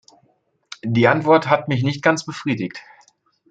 Die Antwort hat mich nicht ganz befriedigt.